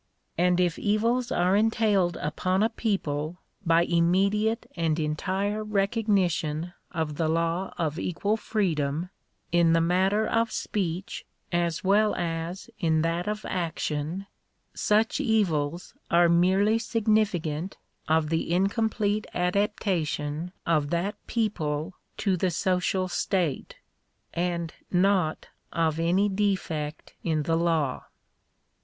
And if evils are entailed upon a people by immediate and en tire recognition of the law of equal freedom, in the matter of speech as well as in that of action, such evils are merely significant of the incomplete adaptation of that people to the social state, and not of any defect in the law.